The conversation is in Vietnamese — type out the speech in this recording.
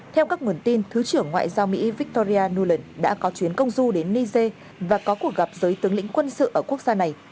theo các nguồn tin thứ trưởng ngoại giao mỹ victoria nuland đã có chuyến công du đến niger và có cuộc gặp giới tướng lĩnh quân sự ở quốc gia này